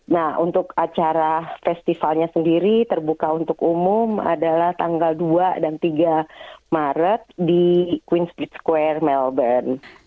nah untuk acara festivalnya sendiri terbuka untuk umum adalah tanggal dua dan tiga maret di queens beat square melbourne